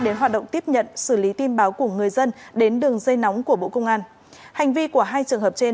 đến hoạt động tiếp nhận xử lý tin báo của người dân đến đường dây nóng của bộ công an hành vi của hai trường hợp trên